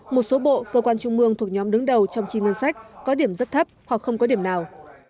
một số bộ cơ quan trung mương thuộc nhóm đứng đầu trong chi ngân sách có điểm rất thấp hoặc không có điểm nào